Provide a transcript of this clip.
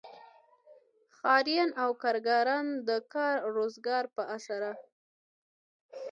ښاریان او کارګران د کار روزګار په اسره.